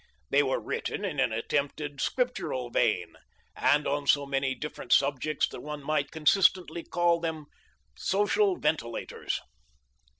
They were written in an attempted scriptural vein, and on so many different subjects that one might consistently call them " social venti lators."